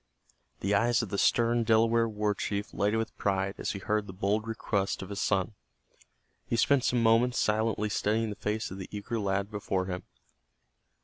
The eyes of the stern Delaware war chief lighted with pride as he heard the bold request of his son. He spent some moments silently studying the face of the eager lad before him.